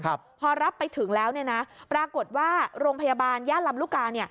พอรับไปถึงแล้วเนี่ยนะปรากฏว่าโรงพยาบาลย่านลำลูกกา